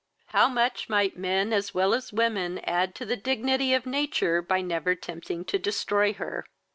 How much might men as well as women add to the dignity of nature by never attempting to destroy her!